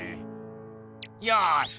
よし！